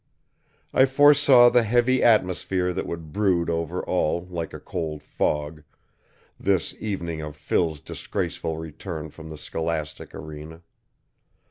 I foresaw the heavy atmosphere that would brood over all like a cold fog, this evening of Phil's disgraceful return from the scholastic arena.